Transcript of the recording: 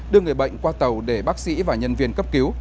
đưa người bệnh qua tàu để bác sĩ và nhân viên cấp cứu